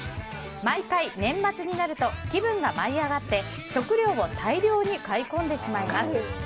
毎回、年末になると気分が舞い上がって食料を大量に買い込んでしまいます。